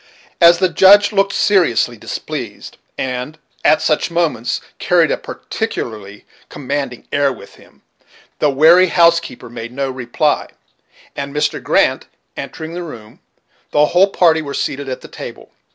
As the Judge looked seriously displeased, and, at such moments, carried a particularly commanding air with him, the wary housekeeper made no reply; and, Mr. Grant entering the room, the whole party were seated at the table.